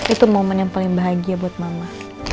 itu momen yang paling bahagia buat mama